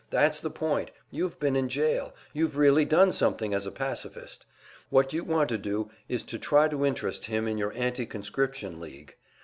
"That's the point you've been in jail, you've really done something as a pacifist. What you want to do is to try to interest him in your Anti conscription League.